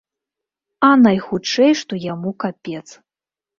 А найхутчэй што яму капец.